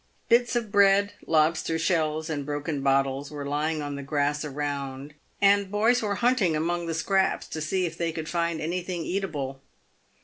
Bits of bread, lobster shells, and broken bottles, were lying on the grass around, and boys were hunting among the scraps to see if they could find anything eatable.